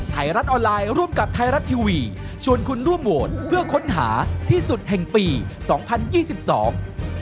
ไทยรัฐออนไลน์ร่วมกับไทยรัฐทีวีชวนคุณร่วมโหวตเพื่อค้นหาที่สุดแห่งปีสองพันยี่สิบสอง